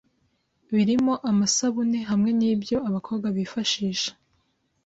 birimo amasabune hamwe n’ibyo abakobwa bifashisha